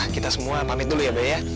kita semua pamit dulu ya dok ya